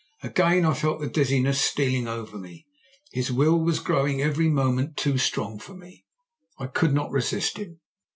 Again I felt the dizziness stealing over me. His will was growing every moment too strong for me. I could not resist him.